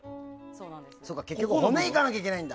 そうか、結局骨いかなきゃいけないんだ。